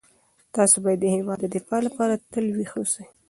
تاسو باید د هیواد د دفاع لپاره تل ویښ اوسئ.